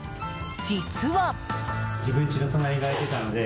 実は。